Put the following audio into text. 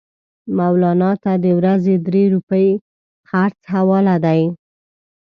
مولنا ته د ورځې درې روپۍ خرڅ حواله دي.